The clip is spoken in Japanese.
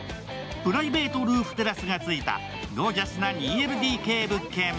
プライベートルーフテラスが付いたゴージャスな２ＬＤＫ物件。